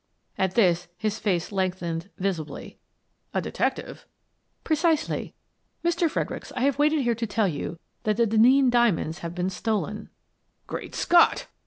At that his face lengthened visibly. "A detective?" " Precisely. Mr. Fredericks, I have waited here to tell you that the Denneen diamonds have been stolen," "Great Scott!"